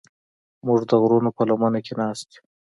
موږ د غرونو په لمنه کې ناست یو.